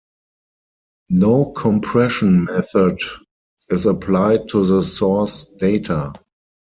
No compression method is applied to the source data.